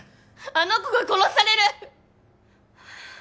あの子が殺される！